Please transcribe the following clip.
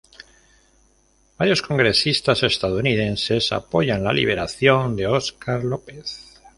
Varios congresistas estadounidenses apoyan la liberación de Oscar López.